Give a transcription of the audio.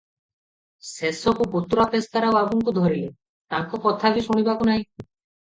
ଶେଷକୁ ପୁତୁରା ପେସ୍କାର ବାବୁଙ୍କୁ ଧରିଲେ, ତାଙ୍କ କଥା ବି ଶୁଣିବାକୁ ନାହିଁ ।